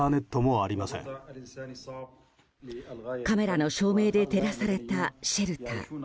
カメラの照明で照らされたシェルター。